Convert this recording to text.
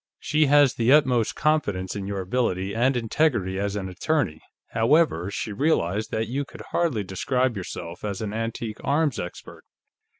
"She has the utmost confidence in your ability and integrity, as an attorney; however, she realized that you could hardly describe yourself as an antique arms expert.